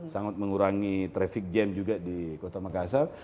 sangat mengurangi traffic jam juga di kota makassar